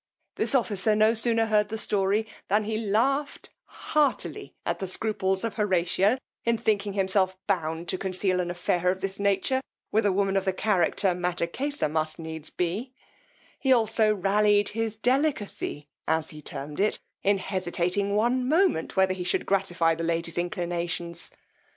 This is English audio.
This officer no sooner heard the story, than he laughed heartily at the scruples of Horatio, in thinking himself bound to conceal an affair of this nature with a woman of the character Mattakesa must needs be: he also rallied his delicacy, as he termed it, in hesitating one moment whether he should gratify the lady's inclinations.